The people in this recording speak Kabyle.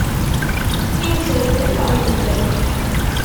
Inser-d am uɣyul.